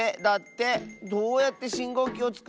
どうやってしんごうきをつくるんだろう？